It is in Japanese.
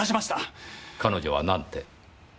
彼女はなんて？